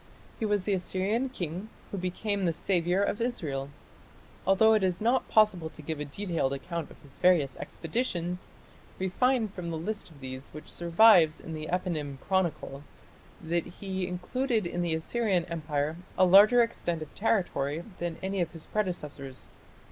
He was the Assyrian king who became the "saviour" of Israel. Although it is not possible to give a detailed account of his various expeditions, we find from the list of these which survives in the Eponym Chronicle that he included in the Assyrian Empire a larger extent of territory than any of his predecessors.